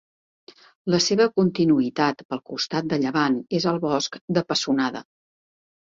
La seva continuïtat pel costat de llevant és el Bosc de Pessonada.